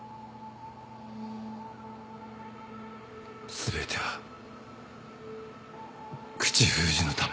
全ては口封じのため。